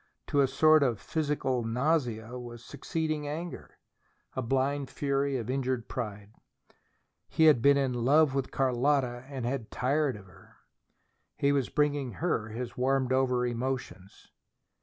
To a sort of physical nausea was succeeding anger, a blind fury of injured pride. He had been in love with Carlotta and had tired of her. He was bringing her his warmed over emotions.